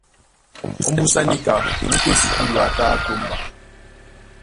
Ómbúsá níka muútú á esukúlu a tá á tómba.